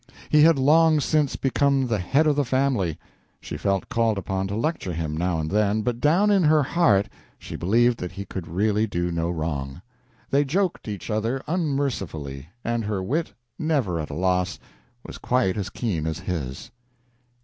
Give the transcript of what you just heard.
He had long since become the head of the family. She felt called upon to lecture him, now and then, but down in her heart she believed that he could really do no wrong. They joked each other unmercifully, and her wit, never at a loss, was quite as keen as his.